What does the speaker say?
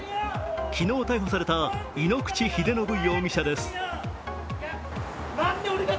昨日逮捕された井ノ口秀信容疑者です。